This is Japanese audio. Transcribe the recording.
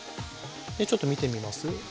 ちょっと見てみます？